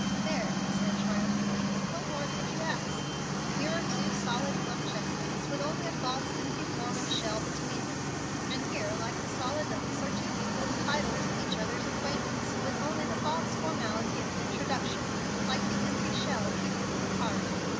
"There!" he said, triumphantly, "what more could you ask? Here are two solid, plump chestnuts, with only a false, empty form of shell between them. And here, like the solid nuts, are two people entitled to each other's acquaintance, with only the false formality of an introduction, like the empty shell, keeping them apart.